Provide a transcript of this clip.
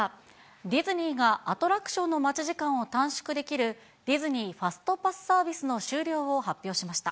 ディズニーが、アトラクションの待ち時間を短縮できる、ディズニー・ファストパスサービスの終了を発表しました。